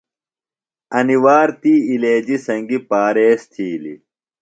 انیۡ وار تی علیجیۡ سنگیۡ پاریز تِھیلیۡ۔